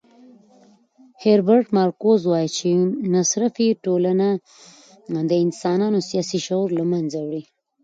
هیربرټ مارکوز وایي چې مصرفي ټولنه د انسانانو سیاسي شعور له منځه وړي.